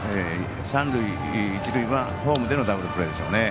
三塁、一塁はホームでのダブルプレーでしょうね。